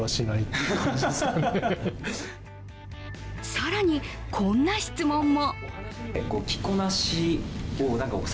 更にこんな質問も。